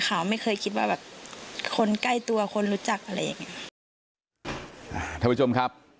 ท่านผู้ชมครับ